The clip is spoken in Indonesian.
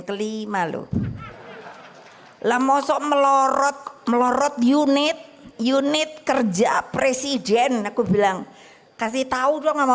kelima loh lah mosok melorot melorot unit unit kerja presiden aku bilang kasih tahu dong sama